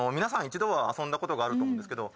一度は遊んだことがあると思うんですけど